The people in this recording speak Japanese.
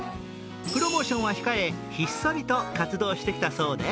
プロモーションは控え、ひっそりと活動してきたそうで